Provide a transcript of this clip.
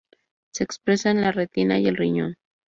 Se expresa en la retina y el riñón.